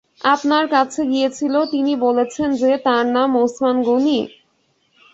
আপনার কাছে গিয়েছিল, তিনি বলেছেন যে তাঁর নাম ওসমান গনি?